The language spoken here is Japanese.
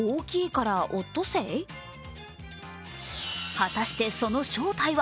果たしてその正体は？